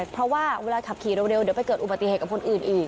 เพราะว่าเวลาขับขี่เร็วเดี๋ยวไปเกิดอุบัติเหตุกับคนอื่นอีก